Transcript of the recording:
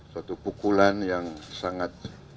suatu pukulan yang sangat